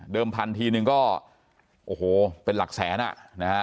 พันทีนึงก็โอ้โหเป็นหลักแสนอ่ะนะฮะ